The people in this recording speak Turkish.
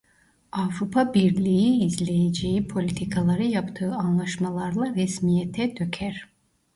Avrupa Birliği izleyeceği politikaları yaptığı antlaşmalarla resmiyete döker.